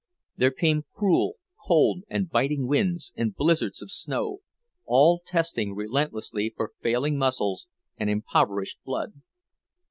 There came cruel, cold, and biting winds, and blizzards of snow, all testing relentlessly for failing muscles and impoverished blood.